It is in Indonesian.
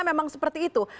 memang seperti itu